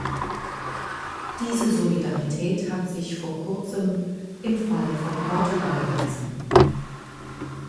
Diese Solidarität hat sich vor kurzem im Fall von Portugal erwiesen.